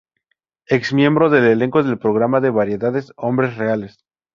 Ex miembro del elenco del programa de variedades "Hombres Reales".